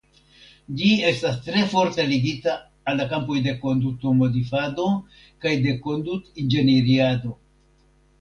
Ĝi estas tre forte ligita al la kampoj de kondutomodifado kaj de kondutinĝenierado.